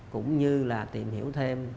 cũng như là tìm hiểu thêm